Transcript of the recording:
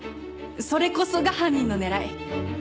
それこそが犯人の狙い。